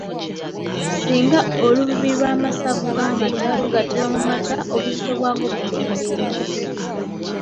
Singa olububi lw’amasavu g’amata lugattibwa mu mata obuzito bwago bukendeera.